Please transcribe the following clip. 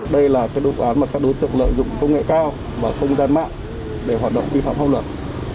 đây là cái vụ án mà các đối tượng lợi dụng công nghệ cao và không gian mạng để hoạt động vi phạm công lực